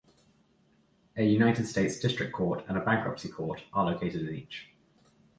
A United States district court and a bankruptcy court are located in each.